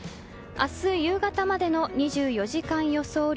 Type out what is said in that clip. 明日夕方までの２４時間予想